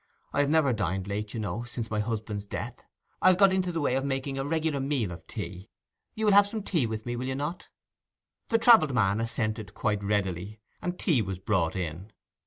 I have never dined late, you know, since my husband's death. I have got into the way of making a regular meal of tea. You will have some tea with me, will you not?' The travelled man assented quite readily, and tea was brought in.